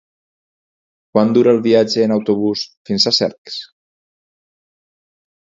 Quant dura el viatge en autobús fins a Cercs?